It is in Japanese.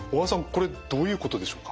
これどういうことでしょうか？